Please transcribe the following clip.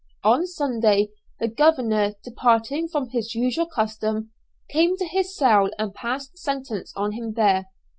On Sunday the governor, departing from his usual custom, came to his cell, and passed sentence on him there.